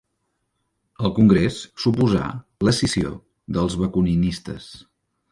El congrés suposà l'escissió dels bakuninistes.